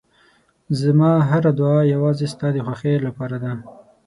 زما هره دعا یوازې ستا د خوښۍ لپاره ده.